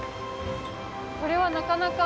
これはなかなか。